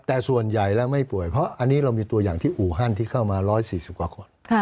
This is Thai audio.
แต่ส่วนใหญ่แล้วไม่ป่วยเพราะอันนี้เรามีตัวอย่างที่อูฮันที่เข้ามา๑๔๐กว่าคน